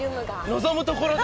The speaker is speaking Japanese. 望むところだ！